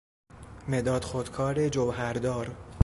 مداد خودکار جوهردار